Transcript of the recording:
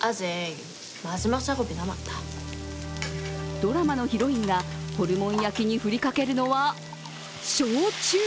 ドラマのヒロインがホルモン焼きに振りかけるのは焼酎。